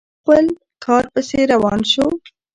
او خپل کار پسې روان شو.